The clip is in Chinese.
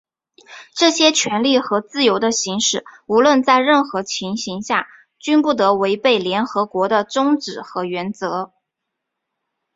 这些权利和自由的行使,无论在任何情形下均不得违背联合国的宗旨和原则。